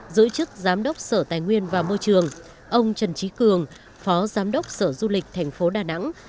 giữ chức giám đốc sở tài nguyên và môi trường ông trần trí cường phó giám đốc sở du lịch thành phố đà nẵng